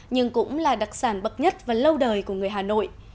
nhưng cũng là đặc sản bậc nhất và lâu đời của người hà nội